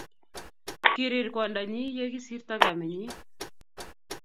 Kirir kwandanyin ya kosirto kamenyin